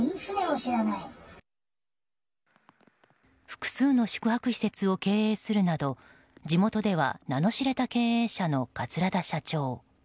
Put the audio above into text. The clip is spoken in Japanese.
複数の宿泊施設を経営するなど地元では名の知れた経営者の桂田社長。